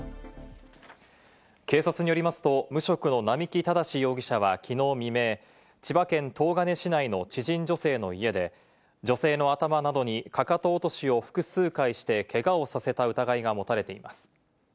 警察によりますと無職の並木正容疑者は昨日未明、千葉県東金市内の知人女性の家で女性の頭などにかかと落としを複数回してけがをさせた疑いが持たれています。